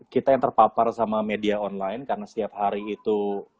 kita yang terpapar sama media online karena setiap hari itu